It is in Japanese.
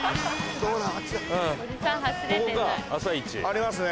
ありますね。